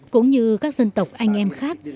cũng như các dân tộc anh em khác